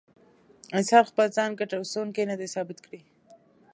انسان خپل ځان ګټه رسوونکی نه دی ثابت کړی.